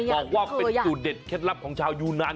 บอกว่าเป็นสูตรเด็ดเคล็ดลับของชาวยูนาน